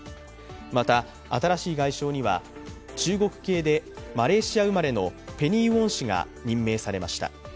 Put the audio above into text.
また新しい外相には中国系でマレーシア生まれのペニー・ウォン氏が任命されました。